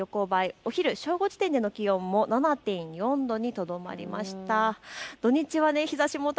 お昼、正午時点の気温も７．４度にとどまりました。